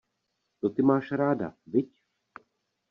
To ty máš ráda, viď?